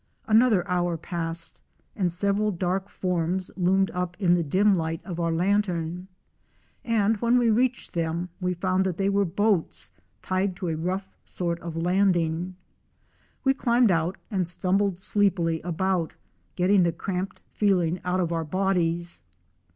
Another hour passed and several dark forms loomed up in the dim light of our lantern, and when we reached them we found that they were boats tied to a rough sort of landing. We climbed out and stumbled sleepily about, getting the cramped feeling out of our bodies.